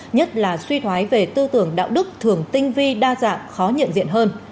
nhất là suy thoái về tư tưởng đạo đức thường tinh vi đa dạng khó nhận diện hơn